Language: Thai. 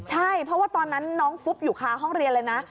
ใช่เพราะว่าตอนนั้นน้องฟุบอยู่คาห้องเรียนเลยนะ